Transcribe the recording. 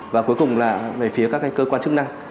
và cuối cùng là về phía các cái cơ quan chức năng